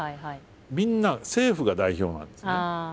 みんな政府が代表なんですね。